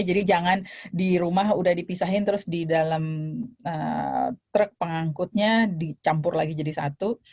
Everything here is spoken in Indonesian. jadi jangan di rumah sudah dipisahin terus di dalam truk pengangkutnya dicampur lagi jadi satu